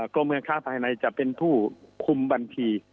กรมการค้าภายในจะเป็นผู้คุมบัญชี